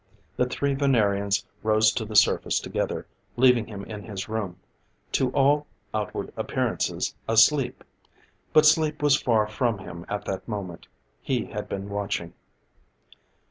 The three Venerians rose to the surface together, leaving him in his room, to all outward appearances, asleep. But sleep was far from him at that moment; he had been watching.